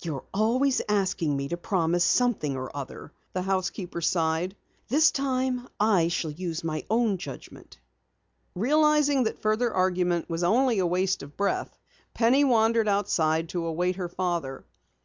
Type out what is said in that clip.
"You're always asking me to promise something or other," the housekeeper sighed. "This time I shall use my own judgment." Realizing that further argument was only a waste of breath, Penny wandered outside to await her father.